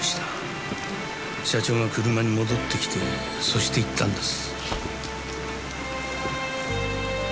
社長が車に戻ってきてそして言ったんです。